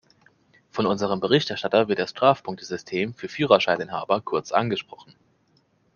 Von unserem Berichterstatter wird das Strafpunktesystem für Führerscheininhaber kurz angesprochen.